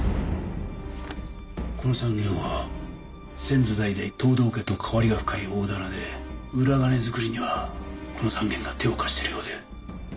この３軒は先祖代々藤堂家と関わりが深い大店で裏金作りにはこの３軒が手を貸しているようで。